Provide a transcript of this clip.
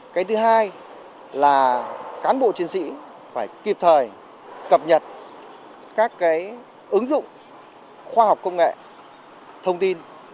cái thứ hai là cán bộ chiến sĩ phải kịp thời cập nhật các cái ứng dụng khoa học công nghệ thông tin